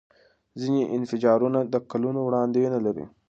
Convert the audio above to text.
ځینې انفجارونه د کلونو وړاندوینه لري.